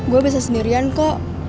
gue bisa sendirian kok